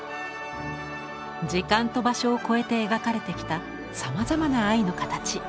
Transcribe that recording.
時間と場所を超えて描かれてきたさまざまな愛の形。